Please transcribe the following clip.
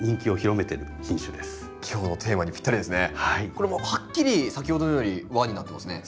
これはもうはっきり先ほどのより輪になってますね。